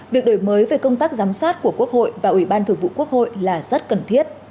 việc đổi mới về công tác giám sát của quốc hội và ủy ban thường vụ quốc hội là rất cần thiết